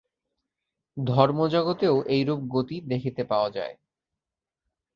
ধর্মজগতেও এইরূপ গতি দেখিতে পাওয়া যায়।